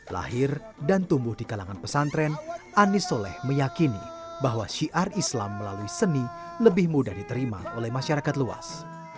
lahir dan tumbuh di kalangan pesantren anies soleh meyakini bahwa syiar islam melalui seni lebih mudah diterima oleh masyarakat luas